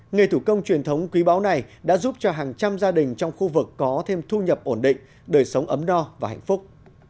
nghề thủ công truyền thống quý báu này đã giúp cho hàng trăm gia đình trong khu vực có thêm thu nhập ổn định đời sống ấm no và hạnh phúc